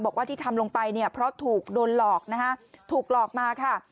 บอกว่าที่ทำลงไปเนี่ยเพราะถูกโดนหลอกนะฮะถูกหลอกมาค่ะ